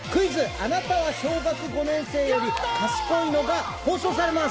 あなたは小学５年生より賢いの？』が放送されます。